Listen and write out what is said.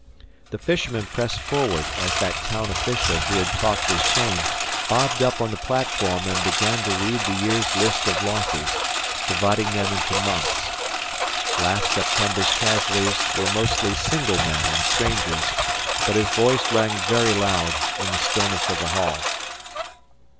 The fishermen pressed forward as that town official who had talked to Cheyne bobbed up on the platform and began to read the year's list of losses, dividing them into months. Last September's casualties were mostly single men and strangers, but his voice rang very loud in the stillness of the hall.